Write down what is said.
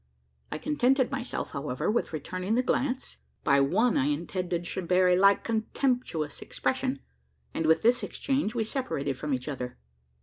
I contented myself, however, with returning the glance, by one I intended should bear a like contemptuous expression; and, with this exchange, we separated from each other.